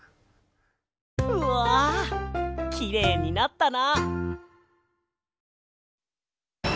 うわきれいになったな！